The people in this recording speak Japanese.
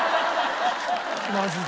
マジで。